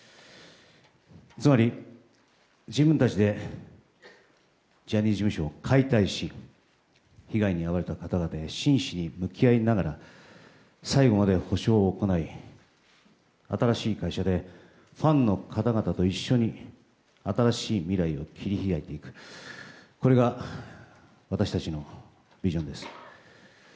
つまり、自分たちでジャニーズ事務所を解体し被害に遭われた方々へ真摯に向き合いながら最後まで補償を行い新しい会社でファンの方々と一緒に新しい未来を切り開いていくこれが私たちのビジョンです。